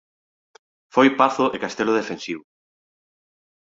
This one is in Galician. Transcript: Foi pazo e castelo defensivo.